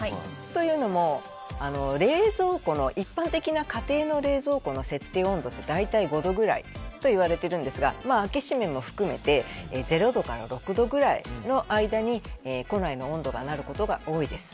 というのも一般的な家庭用の冷蔵庫の設定温度って大体５度くらいといわれているんですが開け閉めも含めて０度から６度ぐらいの間に庫内の温度になることが多いです。